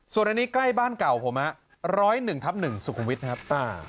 ส่วนอันนี้ใกล้บ้านเก่าผมร้อยหนึ่งทับหนึ่งสุขุมวิทย์ครับ